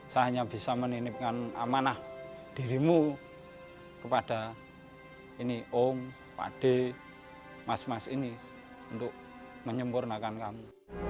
saya hanya bisa menipkan amanah dirimu kepada ini om pak d mas mas ini untuk menyempurnakan kamu